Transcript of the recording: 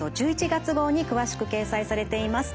１１月号に詳しく掲載されています。